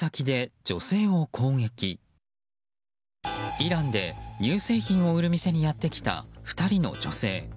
イランで乳製品を売る店にやってきた２人の女性。